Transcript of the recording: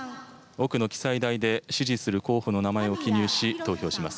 奥の記載台で支持する候補の名前を記入し、投票します。